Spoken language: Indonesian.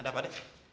ada apa deh